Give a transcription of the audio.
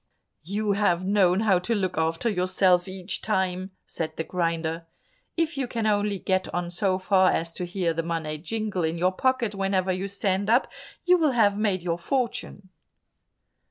"You have known how to look after yourself each time," said the grinder. "If you can only get on so far as to hear the money jingle in your pocket whenever you stand up, you will have made your fortune."